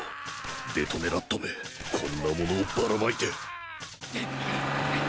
デトネラットめこんなものをばら撒いて！